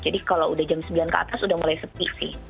jadi kalau udah jam sembilan ke atas udah mulai sepi sih